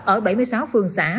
ở bảy mươi sáu phường xã